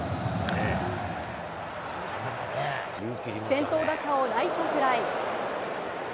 先頭打者をライトフライ。